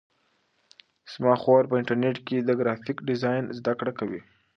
زما خور په انټرنیټ کې د گرافیک ډیزاین زده کړه کوي.